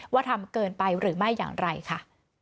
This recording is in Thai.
ทำเกินไปหรือไม่อย่างไรค่ะ